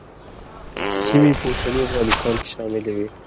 سیمې په اوسني افغانستان کې شاملې وې.